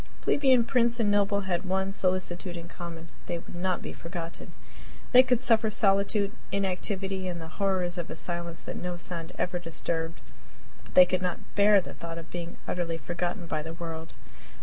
Plebeian, prince, and noble had one solicitude in common they would not be forgotten! They could suffer solitude, inactivity, and the horrors of a silence that no sound ever disturbed, but they could not bear the thought of being utterly forgotten by the world.